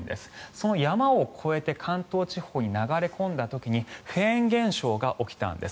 その山を越えて関東地方に流れ込んだ時にフェーン現象が起きたんです。